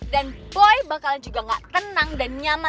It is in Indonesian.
dan boy bakalan juga nggak tenang dan nyaman